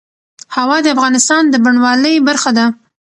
هوا د افغانستان د بڼوالۍ برخه ده.